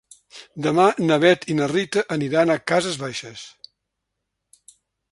Demà na Bet i na Rita aniran a Cases Baixes.